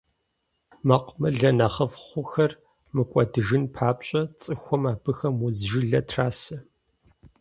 Мэкъумылэ нэхъыфӀ хъухэр мыкӀуэдыжын папщӀэ, цӀыхухэм абыхэм удз жылэ трасэ.